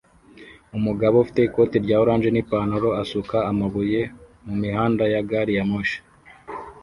Umugabo ufite ikoti rya orange nipantaro asuka amabuye mumihanda ya gari ya moshi